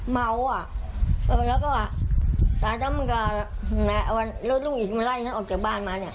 เม้าแล้วก็สายต้ำกระรุ่นลูกอีกวันไหล่ออกจากบ้านมา